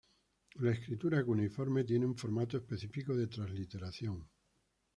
La escritura cuneiforme tiene un formato específico de transliteración.